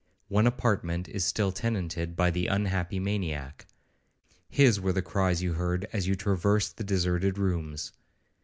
One apartment is still tenanted by the unhappy maniac; his were the cries you heard as you traversed the deserted rooms.